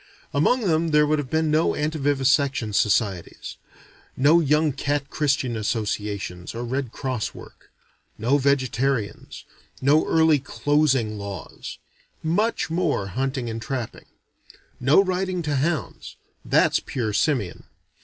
Among them there would have been no antivivisection societies: No Young Cat Christian Associations or Red Cross work: No Vegetarians: No early closing laws: Much more hunting and trapping: No riding to hounds; that's pure simian.